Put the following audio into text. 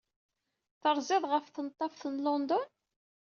Terziḍ ɣef Tneḍḍaft n London?